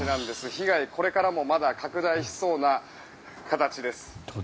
被害、これからもまだ拡大しそうな形です。